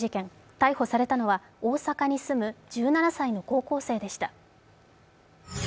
逮捕されたのは、大阪に住む１７歳の高校生でした。